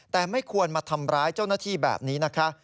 แต่ไม่ควรมาทำร้ายเจ้าหน้าที่แบบนี้นะคะ